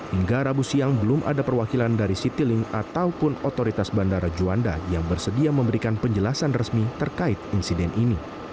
hingga rabu siang belum ada perwakilan dari citilink ataupun otoritas bandara juanda yang bersedia memberikan penjelasan resmi terkait insiden ini